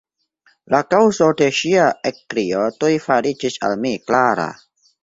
La kaŭzo de ŝia ekkrio tuj fariĝis al mi klara.